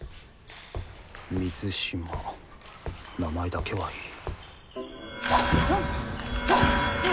水嶋名前だけはいい。